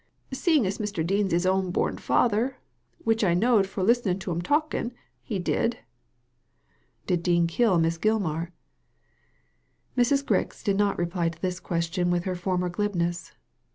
" "Seeing as Mr. Dean's his own bom father — which I knowed fro' listening to 'm talking — he did." "Did Dean kill Miss Gilmar?" Mrs. Grix did not reply to this question with her former glibness.